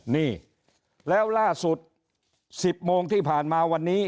นี่แล้วล่าสุด๑๐โมงที่ผ่านมาวันนี้